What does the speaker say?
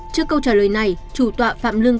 trước câu trả lời này chủ tọa phạm lương